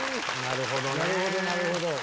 なるほどなるほど。